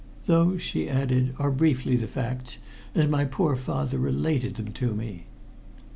Those," she added, "are briefly the facts, as my poor father related them to me."